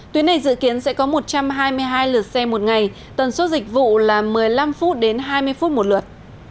tuyến này dự kiến sẽ có một trăm hai mươi hai lượt xe một ngày tần số dịch vụ là một mươi năm phút đến hai mươi phút một lượt